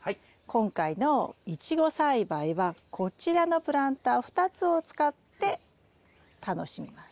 今回のイチゴ栽培はこちらのプランター２つを使って楽しみます。